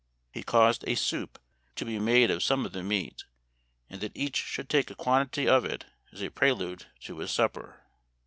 He caused a soup to be made ol some of the meat, and that each should take a quantity of it as a prelude to his supper.